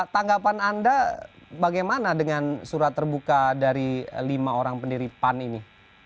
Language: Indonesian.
tanggapan anda bagaimana dengan surat terbuka dari lima orang pendiri pan ini